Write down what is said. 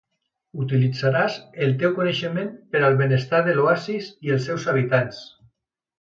Utilitzaràs el teu coneixement per al benestar de l'oasi i els seus habitants.